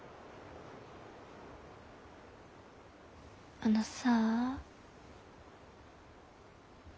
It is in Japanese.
あのさあ。